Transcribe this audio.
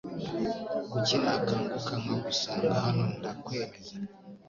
Kuki nakanguka nkagusanga hano nda kwemeza